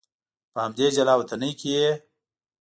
په همدې جلا وطنۍ کې یې.